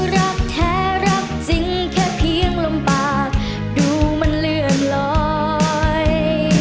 รักแท้รักจริงแค่เพียงลำปากดูมันเลื่อนลอย